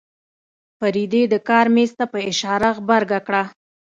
فريدې د کار مېز ته په اشاره غبرګه کړه.